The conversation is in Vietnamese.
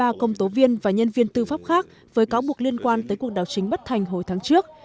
đã có một trăm bảy mươi ba công tố viên và nhân viên tư pháp khác với cáo buộc liên quan đến cuộc đảo chính bất thành hồi tháng trước